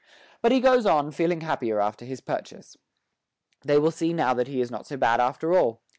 But he goes on, feeling happier after his purchase. They will see now that he is not so bad after all.